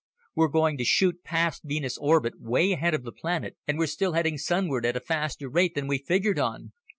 We're going to shoot past Venus' orbit way ahead of the planet, and we're still heading sunward at a faster rate than we figured on."